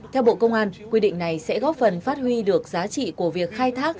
theo bộ công an quy định này sẽ góp phần phát huy được giá trị của việc khai thác